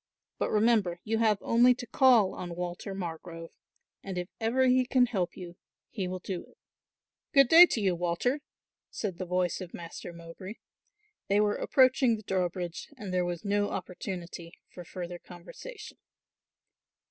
But remember you have only to call on Walter Margrove and if ever he can help you he will do it." "Good day to you, Walter," said the voice of Master Mowbray. They were approaching the drawbridge and there was no opportunity for further conversation.